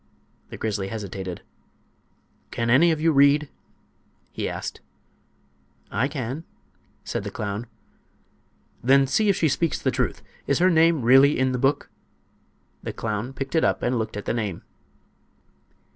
The Grizzly hesitated. "Can any of you read?" he asked. "I can," said the clown. "Then see if she speaks the truth. Is her name really in the book?" The clown picked it up and looked at the name.